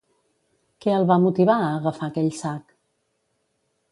Què el va motivar a agafar aquell sac?